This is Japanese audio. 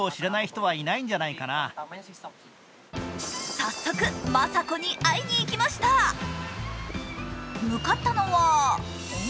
早速、マサコに会いにいきました向かったのはん？